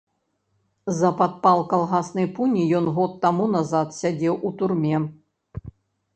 За падпал калгаснай пуні ён год таму назад сядзеў у турме.